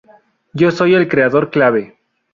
Yo soy el creador clave.